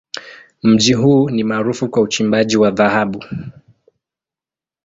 Mji huu ni maarufu kwa uchimbaji wa dhahabu.